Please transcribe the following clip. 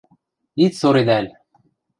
Ит соредӓл!